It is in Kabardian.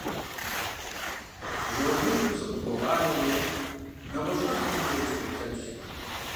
Жэуапыншэу сыкъыбогъанэри, нэгъуэщӀ щӀалэхэмкӀэ усфӀоплъэкӀ.